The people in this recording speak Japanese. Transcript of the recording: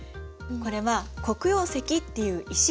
これは黒曜石っていう石。